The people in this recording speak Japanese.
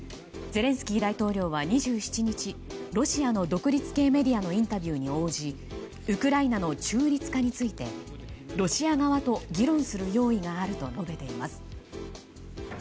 ゼレンスキー大統領は２７日ロシアの独立系メディアのインタビューに応じウクライナの中立化についてロシア側と議論する用意があると述べています。